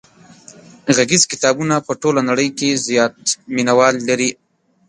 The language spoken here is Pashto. غږیز کتابونه په ټوله نړۍ کې زیات مینوال لري.